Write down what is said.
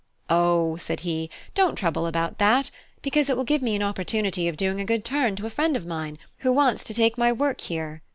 "O," he said, "don't trouble about that, because it will give me an opportunity of doing a good turn to a friend of mine, who wants to take my work here.